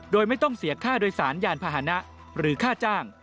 โดยไม่ต้องเสียค่าโดยสารยานพาหนะหรือค่าจ้าง